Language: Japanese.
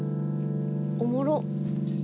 おもろっ！